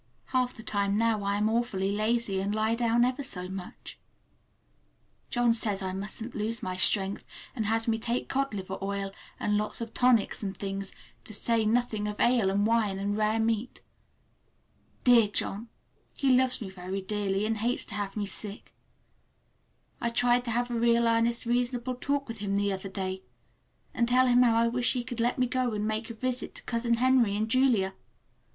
Half the time now I am awfully lazy, and lie down ever so much. John says I musn't lose my strength, and has me take cod liver oil and lots of tonics and things, to say nothing of ale and wine and rare meat. Dear John! He loves me very dearly, and hates to have me sick. I tried to have a real earnest reasonable talk with him the other day, and tell him how I wish he would let me go and make a visit to Cousin Henry and Julia.